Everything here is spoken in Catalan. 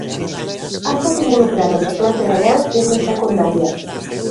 Ha estat involucrada en doblatge de veu des de secundària.